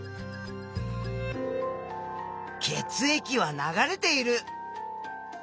血液は流れている！